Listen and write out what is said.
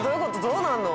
どうなるの？